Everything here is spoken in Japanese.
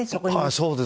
そうですね。